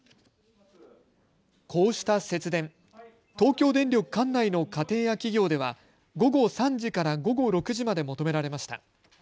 こうした節電、東京電力管内の家庭や企業では午後３時から午後６時まで求められました。